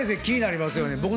気になりますよね。